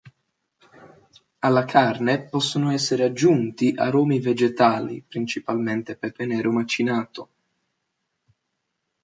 Alla carne possono essere aggiunti aromi vegetali, principalmente pepe nero macinato.